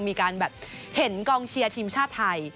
มีการแบบเห็นกองเชียร์ทีมชาติไทย